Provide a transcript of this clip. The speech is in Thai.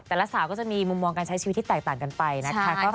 สาวก็จะมีมุมมองการใช้ชีวิตที่แตกต่างกันไปนะคะ